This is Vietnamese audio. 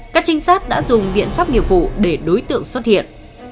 các trinh sát đã dùng biện pháp nghiệp vụ để đối tượng xuất hiện